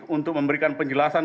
untuk memberikan penjelasan